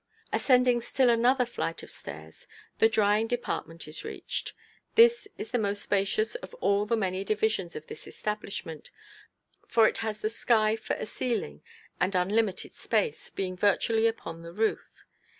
Ascending still another flight of stairs, the drying department is reached; this is the most spacious of all the many divisions of this establishment, for it has the sky for a ceiling and unlimited space, being virtually upon the roof.